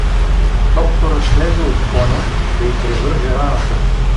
Докторът слезе от коня да й превърже раната.